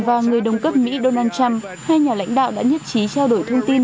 và người đồng cấp mỹ donald trump hai nhà lãnh đạo đã nhất trí trao đổi thông tin